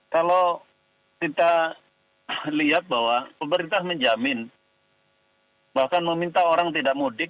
kalau kita lihat bahwa pemerintah menjamin bahkan meminta orang tidak mudik